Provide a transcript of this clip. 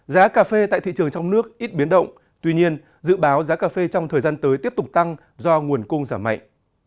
giá cà phê tại thị trường trong nước ít biến động tuy nhiên dự báo giá cà phê trong thời gian tới tiếp tục tăng do nguồn cung giảm mạnh